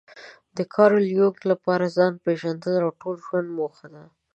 د کارل يونګ لپاره ځان پېژندنه د ټول ژوند موخه ده.